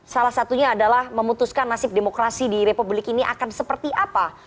salah satunya adalah memutuskan nasib demokrasi di republik ini akan seperti apa